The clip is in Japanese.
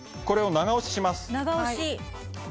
長押し。